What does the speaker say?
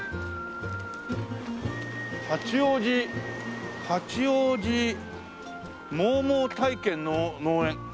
「八王子」「八王子モーモー体験農園」。